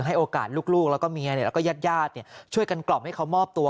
ให้โอกาสลูกแล้วก็เมียแล้วก็ญาติช่วยกันกล่อมให้เขามอบตัว